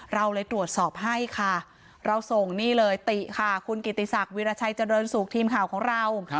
เราเลยตรวจสอบให้ค่ะเราส่งนี่เลยติค่ะคุณกิติศักดิราชัยเจริญสุขทีมข่าวของเรา